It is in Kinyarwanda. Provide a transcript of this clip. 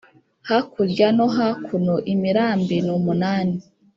hakurya nó hakuno imirambi n úmunani